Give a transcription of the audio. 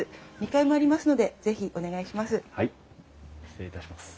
２階もありますので是非お願いします。